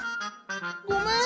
ごめん。